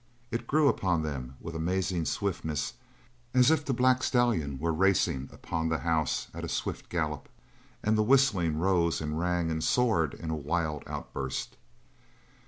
It grew upon them with amazing swiftness, as if the black stallion were racing upon the house at a swift gallop, and the whistling rose and rang and soared in a wild outburst.